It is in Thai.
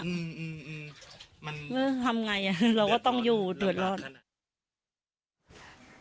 มันทำไงเราก็ต้องอยู่ตรวจร้อน